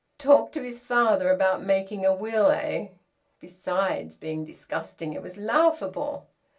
Talk to his father about making a will, eh! Besides being disgusting, it was laughable.